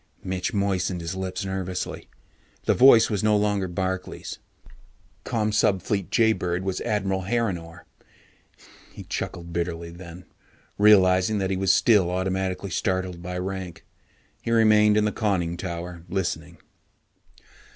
Mitch moistened his lips nervously. The voice was no longer Barkley's. Commsubfleet Jaybird was Admiral Harrinore. He chuckled bitterly then, realizing that he was still automatically startled by rank. He remained in the conning tower, listening.